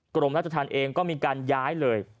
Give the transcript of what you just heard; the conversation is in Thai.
กรมราชธรรมเองก็มีการย้ายเลย